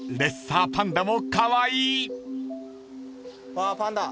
わパンダ。